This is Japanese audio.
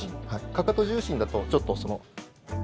かかと重心だとちょっと。